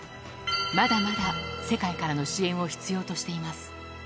まだまだ世界からの支援を必要としています。